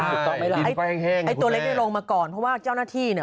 ถูกต้องไหมล่ะดินก็แห้งแห้งคุณแม่ไอ้ตัวเล็กได้ลงมาก่อนเพราะว่าเจ้าหน้าที่เนี่ย